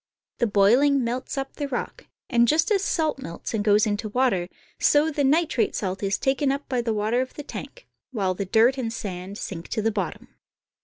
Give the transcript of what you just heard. The boiling melts up the rock, and just as salt melts and goes into water, so the nitrate salt is taken up by the water of the tank, while the dirt and sand sink to the bottom.